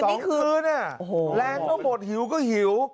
สองคืนแรงก็หมดหิวก็หิว